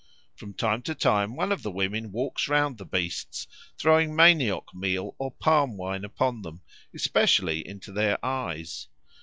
From time to time one of the women walks round the beasts, throwing manioc meal or palm wine upon them, especially into their eyes.